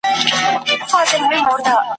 په پانوس کي به لا ګرځي د سوځلي وزر سیوري !.